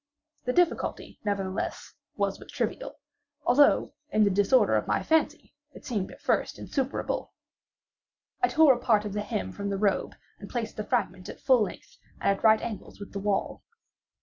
The difficulty, nevertheless, was but trivial; although, in the disorder of my fancy, it seemed at first insuperable. I tore a part of the hem from the robe and placed the fragment at full length, and at right angles to the wall.